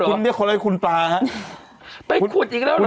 เอาเลยคุณปลาครับ